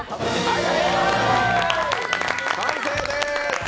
完成でーす。